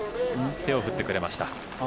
手を振ってくれました。